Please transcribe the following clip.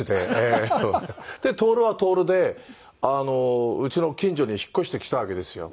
徹は徹でうちの近所に引っ越してきたわけですよ。